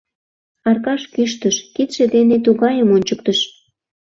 — Аркаш кӱштыш, кидше дене «тугайым» ончыктыш.